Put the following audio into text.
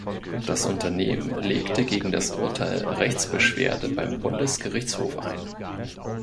Das Unternehmen legte gegen das Urteil Rechtsbeschwerde beim Bundesgerichtshof ein.